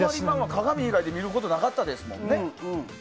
鏡以外で見ることなかったですもんね。